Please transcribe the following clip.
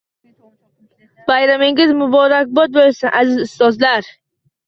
Bayramingiz muborakbod bo‘lsin, aziz ustozlar!